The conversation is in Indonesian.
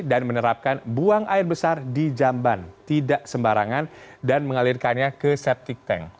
dan menerapkan buang air besar di jamban tidak sembarangan dan mengalirkannya ke septic tank